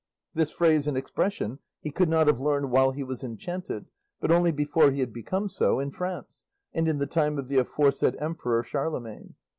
This phrase and expression he could not have learned while he was enchanted, but only before he had become so, in France, and in the time of the aforesaid emperor Charlemagne.